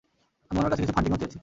আমি ওনার কাছে কিছু ফান্ডিংও চেয়েছি।